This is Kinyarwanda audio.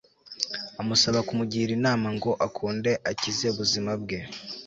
amusaba kumugira inama ngo akunde akize ubuzima bwe